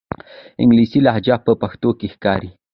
انګلیسي لهجه په پښتو کې ښکاري.